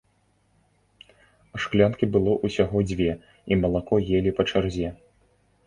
Шклянкі было ўсяго дзве, і малако елі па чарзе.